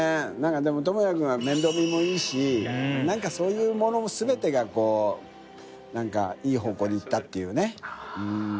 トモヤ君は面倒見もいいしそういうものの全てがいい方向にいったっていうね。